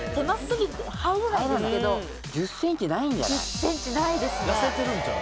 １０ｃｍないですね